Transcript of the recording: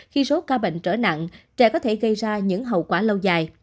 khi số ca bệnh trở nặng trẻ có thể gây ra những hậu quả lâu dài